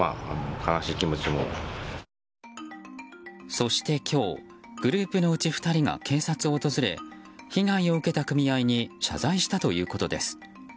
そして今日グループのうち２人が警察を訪れ被害を受けた組合に謝罪したということです。